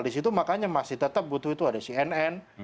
di situ makanya masih tetap butuh itu ada cnn